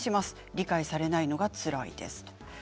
理解されないのがつらいです。